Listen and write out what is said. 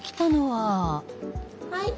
はい。